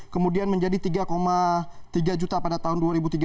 kemudian menjadi tiga tiga juta pada tahun dua ribu tiga belas